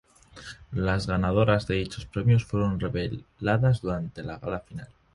Las ganadoras de dichos premios fueron reveladas durante la gala final.